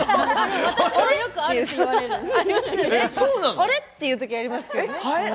あれ？っていうときありますけどね。